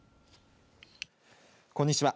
こんにちは。